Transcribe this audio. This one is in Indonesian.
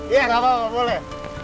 iya nggak apa apa boleh